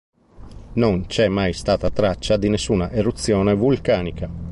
Non c'è mai stata traccia di nessuna eruzione vulcanica.